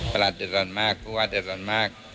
ประหลาดเดือดร้อนมากคู่วัดเดือดร้อนมาก